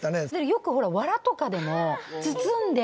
よくほらワラとかでも包んで。